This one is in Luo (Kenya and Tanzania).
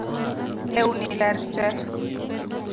Lewni ler tee